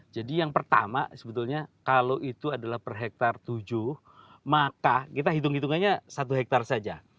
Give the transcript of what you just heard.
jadi yang pertama sebetulnya kalau itu adalah per hektar tujuh maka kita hitung hitungannya satu hektar saja